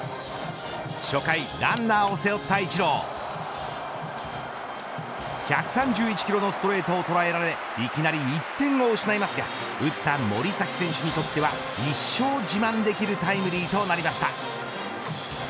初回ランナーを背負ったイチロー１３１キロのストレートを捉えられいきなり１点を失いますが打った森崎選手にとっては一生自慢できるタイムリーとなりました。